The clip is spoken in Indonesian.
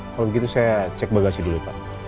kalau begitu saya cek bagasi dulu pak